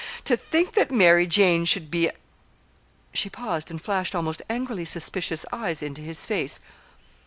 To think that Mary Jane should be a " She paused and flashed almost angrily suspicious eyes into his face.